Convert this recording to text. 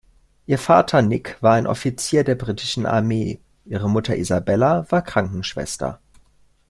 Ihr Vater Nick war ein Offizier der britischen Armee, ihre Mutter Isabella war Krankenschwester.